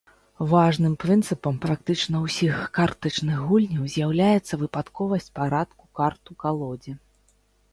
Важным прынцыпам практычна ўсіх картачных гульняў з'яўляецца выпадковасць парадку карт у калодзе.